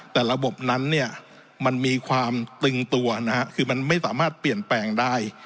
แต่ระบบนั้นเนี่ยมันมีความตึงตัวนะฮะคือมันไม่สามารถเปลี่ยนแปลงได้